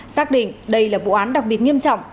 xác định đây là vụ án đặc biệt nghiêm trọng